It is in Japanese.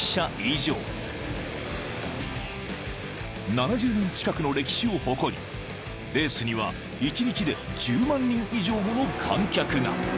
［７０年近くの歴史を誇りレースには一日で１０万人以上もの観客が］